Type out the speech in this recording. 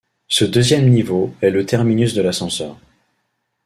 Ce deuxième niveau est le terminus de l'ascenseur.